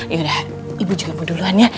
yaudah ibu juga mau duluan ya